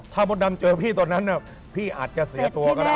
ถ้ามดดำเจอพี่ตอนนั้นพี่อาจจะเสียตัวก็ได้